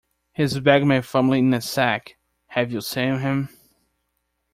He's bagged my family in a sack — have you seen him?